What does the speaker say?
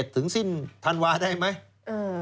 ถึงสิ้นธันวาได้ไหม